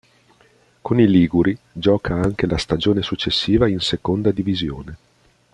Con i liguri gioca anche la stagione successiva in Seconda Divisione.